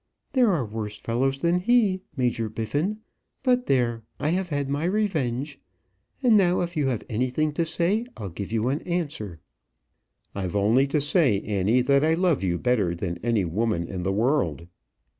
"There are worse fellows than he is, Major Biffin. But there, I have had my revenge; and now if you have anything to say, I'll give you an answer." "I've only to say, Annie, that I love you better than any woman in the world."